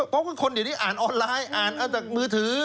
เพราะคนเดี๋ยวนี้อ่านออนไลน์อ่านมือถือ